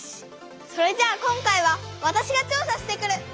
それじゃあ今回はわたしが調さしてくる！